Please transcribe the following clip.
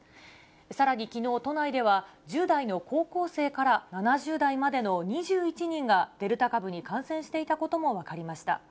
さらにきのう、都内では１０代の高校生から７０代までの２１人が、デルタ株に感染していたことも分かりました。